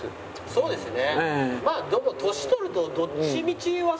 そうですね。